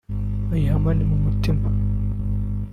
ayihamane mu mutima